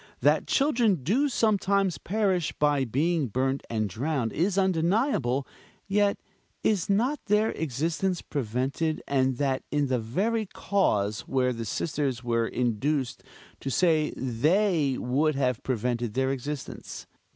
That children do sometimes perish by being burnt and drowned, is undeniable; yet is not their existence prevented and that in the very case where the sisters were induced to say they would have prevented their existence!